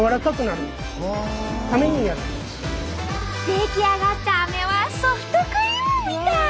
出来上がったアメはソフトクリームみたい！